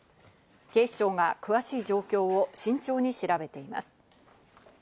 警視庁が詳しい状況を慎重に調べています。